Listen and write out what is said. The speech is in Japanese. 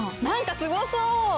なんかすごそう！